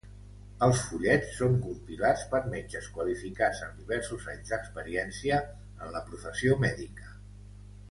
Els fullets són compilats per metges qualificats amb diversos anys d'experiència en la professió mèdica.